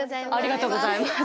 ありがとうございます。